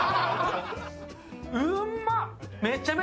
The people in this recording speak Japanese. うんまっ！